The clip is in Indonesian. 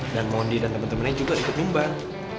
dan mondi dan temen temennya juga ikut numbang